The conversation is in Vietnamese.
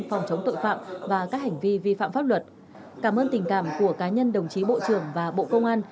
phòng chống tội phạm và các hành vi vi phạm pháp luật cảm ơn tình cảm của cá nhân đồng chí bộ trưởng và bộ công an